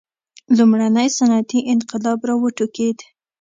لومړنی صنعتي انقلاب را وټوکېد.